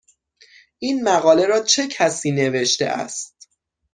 این مقاله را چه کسی نوشته است؟